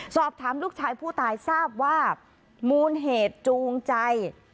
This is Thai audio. สอบถามลูกชายผู้ตายทราบว่ามูลเหตุจูงใจ